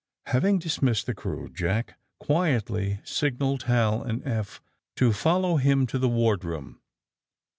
Having dismissed tke crew, Jack quietly sig naled Hal and Eph to follow him to the ward room.